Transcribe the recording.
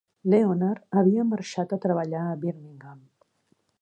Leonard havia marxat a treballar a Birmingham.